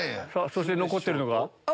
そして残ってるのが？